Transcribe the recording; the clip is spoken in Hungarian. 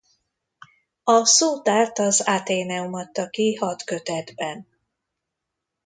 A szótárt az Athenaeum adta ki hat kötetben.